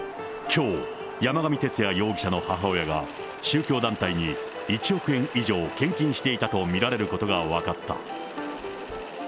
きょう、山上徹也容疑者の母親が宗教団体に１億円以上献金していたと見られることが分かった。